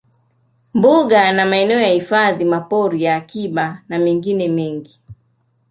Mbuga na maeneo ya hifadhi mapori ya akiba na mengine mengi